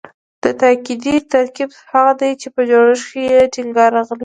تاکیدي ترکیب هغه دﺉ، چي په جوړښت کښي ئې ټینګار راغلی یي.